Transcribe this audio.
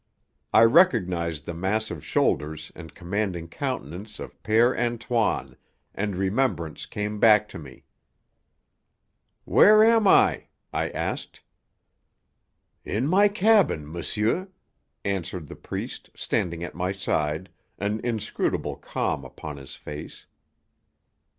I recognized the massive shoulders and commanding countenance of Père Antoine, and remembrance came back to me. "Where am I?" I asked. "In my cabin, monsieur," answered the priest, standing at my side, an inscrutable calm upon his face.